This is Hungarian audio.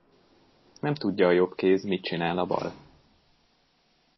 Nem tudja a jobb kéz, mit csinál a bal.